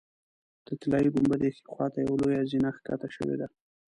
د طلایي ګنبدې ښي خوا ته یوه لویه زینه ښکته شوې ده.